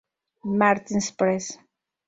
Martin's Press.